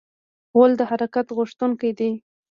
غول د حرکت غوښتونکی دی.